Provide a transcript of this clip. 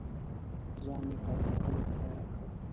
ځان مې قدم وهلو ته تیار کړ.